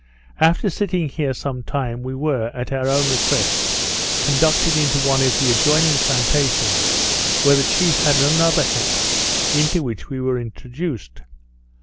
After sitting here some time, we were, at our own request, conducted into one of the adjoining plantations, where the chief had another house, into which we were introduced.